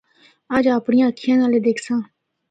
اجّ اپنڑیاں اکھّیا نال اے دِکھساں۔